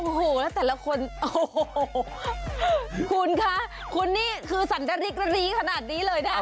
โอ้โหแล้วแต่ละคนโอ้โหคุณคะคุณนี่คือสันดริกระลีขนาดนี้เลยนะ